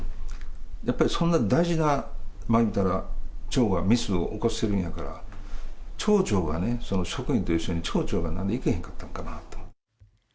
やっぱりそんな大事な、言うたら、町がミスを起こしてるんやから、町長がね、その職員と一緒に、町長がなんで行けへんかったのかなと。